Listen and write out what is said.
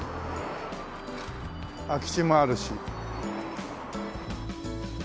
空き地もあるし。